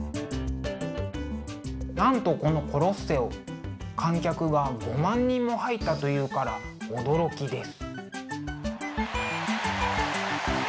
なんとこのコロッセオ観客が５万人も入ったというから驚きです。